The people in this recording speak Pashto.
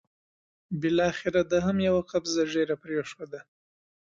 بالاخره ده هم یوه قبضه ږیره پرېښوده.